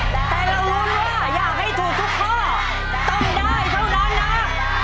แต่เรารุ้นว่าอยากให้ถูกทุกข้อต้องได้เท่านั้นนะ